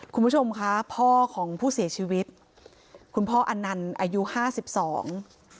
คุณผู้ชมคะพ่อของผู้เสียชีวิตคุณพ่ออนันต์อายุห้าสิบสอง